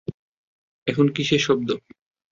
এখন কিসের শব্দ?